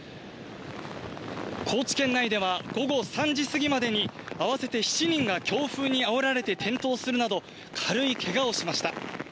高知県内では、午後３時過ぎまでに、合わせて７人が強風にあおられて転倒するなど、軽いけがをしました。